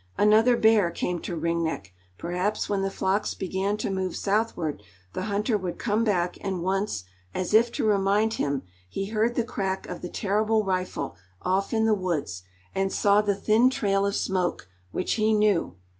Another bear came to Ring Neck; perhaps when the flocks began to move southward, the hunter would come back and once, as if to remind him, he heard the crack of the terrible rifle, off in the woods, and saw the thin trail of smoke, which he knew.